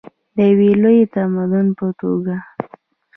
د یو لوی تمدن په توګه.